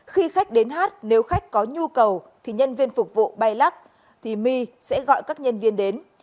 khi khách đến hát nếu khách có nhu cầu thì nhân viên phục vụ bay lắc thì my sẽ gọi các nhân viên đến